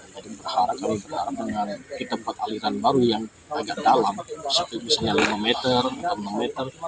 jadi berharap dengan kita buat aliran baru yang agak dalam misalnya lima meter enam meter